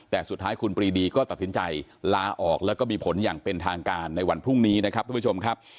แต่สุดท้ายคุณปรีดีก็ตัดสินใจลาออกแล้วก็มีผลอย่างเป็นทางการในวันพรุ่งนี้นะครับทุกผู้ชมครับ